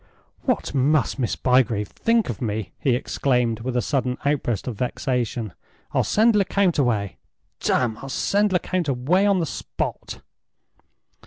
"What must Miss Bygrave think of me!" he exclaimed, with a sudden outburst of vexation. "I'll send Lecount away. Damme, I'll send Lecount away on the spot!"